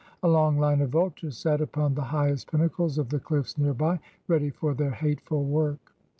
A long line of vultures sat upon the highest pinnacles of the cliffs near by, ready for their hateful work.